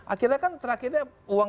akhirnya kan terakhirnya